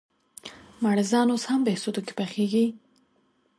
مړزان اوس هم بهسودو کې پخېږي؟